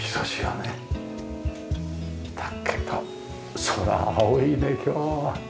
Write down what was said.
だけど空青いね今日は。